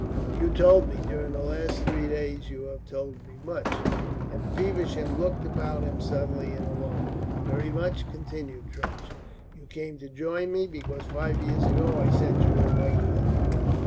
"You told me. During the last three days you have told me much," and Feversham looked about him suddenly in alarm, "Very much," continued Trench. "You came to join me because five years ago I sent you a white feather."